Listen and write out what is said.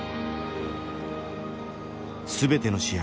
全ての試合